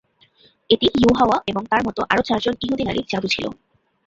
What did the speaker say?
এটা ইউহাওয়া এবং তার মত আরো চারজন ইহুদী নারীর জাদু ছিল।